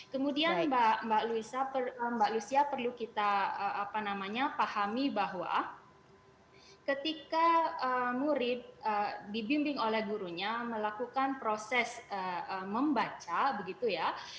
kemudian mbak luisa mbak lucia perlu kita pahami bahwa ketika murid dibimbing oleh gurunya melakukan proses membaca begitu ya